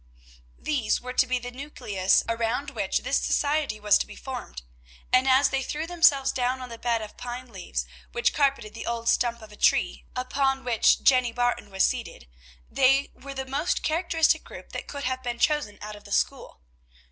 These were to be the nucleus around which this society was to be formed; and as they threw themselves down on the bed of pine leaves which carpeted the old stump of a tree upon which Jenny Barton was seated, they were the most characteristic group that could have been chosen out of the school.